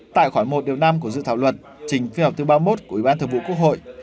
tại khoản một điều năm của dự thảo luật trình phiên họp thứ ba mươi một của ủy ban thượng vụ quốc hội